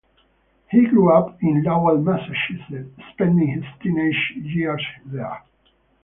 He grew up in Lowell, Massachusetts, spending his teenage years there.